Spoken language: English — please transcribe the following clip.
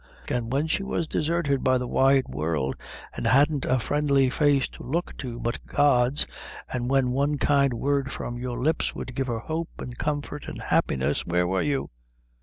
An' when she was desarted by the wide world, an' hadn't a friendly face to look to but God's, an' when one kind word from your lips would give her hope, an' comfort, an' happiness, where were you?